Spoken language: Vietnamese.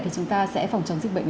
thì chúng ta sẽ phòng chống dịch bệnh